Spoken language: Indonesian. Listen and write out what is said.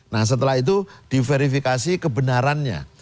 nah setelah itu diverifikasi kebenarannya